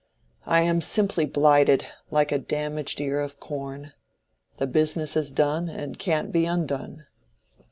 I am simply blighted—like a damaged ear of corn—the business is done and can't be undone."